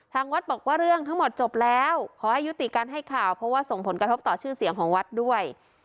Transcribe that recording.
ทางวัดบอกว่าเรื่องทั้งหมดจบแล้วขอให้ยุติการให้ข่าวเพราะว่าส่งผลกระทบต่อชื่อเสียงของวัดด้วย